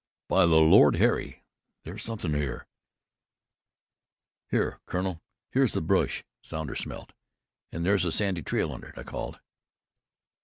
"By the Lord Harry! There's something here." "Here, Colonel, here's the bush Sounder smelt and there's a sandy trail under it," I called.